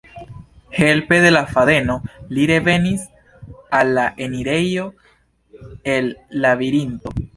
Helpe de la fadeno li revenis al la elirejo el Labirinto.